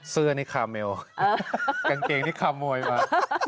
เสื้อนี่คาเมลกางเกงนี่คามวยมา